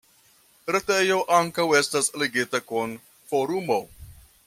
Retejo ankaŭ estas ligita kun Forumo.